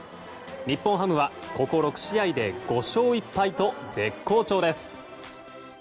日本ハムは、ここ６試合で５勝１敗と絶好調です。